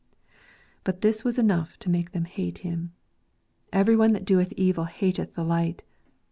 But this was enough to make them hate him. " Every one that doeth evil hateth the light."